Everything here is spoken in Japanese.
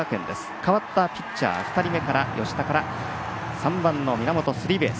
代わったピッチャー、吉田から３番、源がスリーベース。